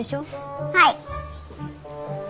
はい。